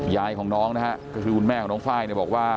ยายของน้องนะฮะก็คือคุณแม่ของน้องไฟล์เนี่ยบอกว่า